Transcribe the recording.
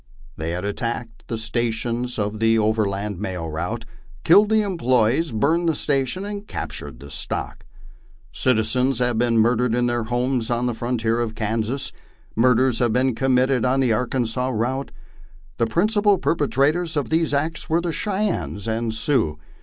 They had attacked the stations of the overland mail route, killed the employees, burned the station, arid captured the stock. Citizens had been murdered in their homes on the frontier of Kansas ; murders had been committed on the Arkansas route. The principal perpetrators of these acts were the Cheyennes and Sioux.